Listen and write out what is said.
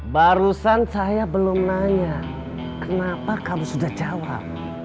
barusan saya belum nanya kenapa kamu sudah jawab